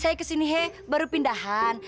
saya kesini hey baru pindahan